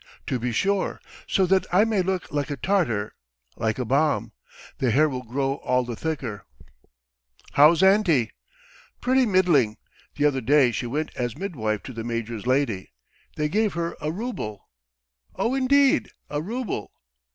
"To be sure. So that I may look like a Tartar, like a bomb. The hair will grow all the thicker." "How's auntie?" "Pretty middling. The other day she went as midwife to the major's lady. They gave her a rouble." "Oh, indeed, a rouble.